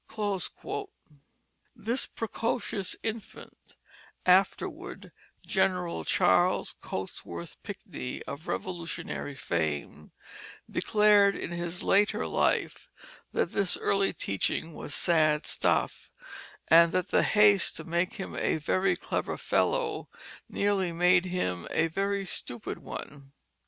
This precocious infant, afterward General Charles Cotesworth Pinckney of Revolutionary fame, declared in his later life that this early teaching was sad stuff, and that the haste to make him a very clever fellow nearly made him a very stupid one.